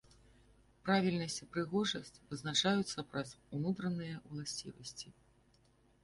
Правільнасць і прыгажосць вызначаюцца праз унутраныя ўласцівасці.